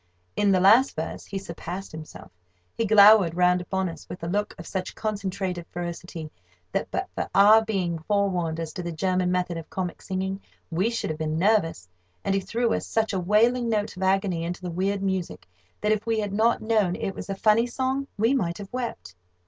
In the last verse, he surpassed himself. He glowered round upon us with a look of such concentrated ferocity that, but for our being forewarned as to the German method of comic singing, we should have been nervous; and he threw such a wailing note of agony into the weird music that, if we had not known it was a funny song, we might have wept.